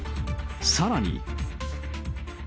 さらに。